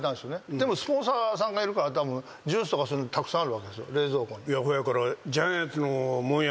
でもスポンサーさんがいるからジュースとかそういうのたくさんあるわけですよ冷蔵庫に。